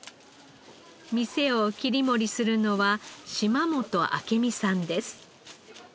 店を切り盛りするのは嶋本明美さんです。